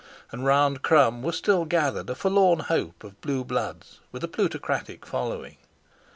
And round Crum were still gathered a forlorn hope of blue bloods with a plutocratic following.